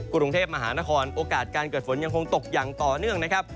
กรุงเทพมหานครโอกาสการเกิดฝนยังคงตกอย่างต่อเนื่องนะครับ